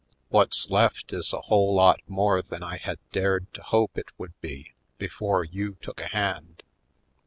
What's left is a whole lot more than I had dared to hope it would be before you took a hand.